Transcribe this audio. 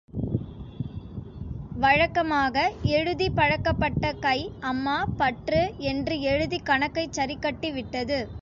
வழக்கமாக, எழுதிப் பழக்கப்பட்ட கை, அம்மா பற்று... என்று எழுதிக் கணக்கைச் சரிக்கட்டிவிட்டது.